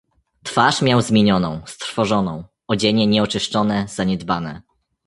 "Twarz miał zmienioną, strwożoną, odzienie nieoczyszczone, zaniedbane."